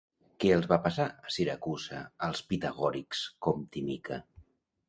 Què els va passar a Siracusa als pitagòrics com Timica?